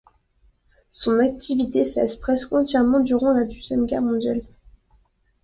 Son activité cesse presque entièrement durant la Deuxième Guerre mondiale.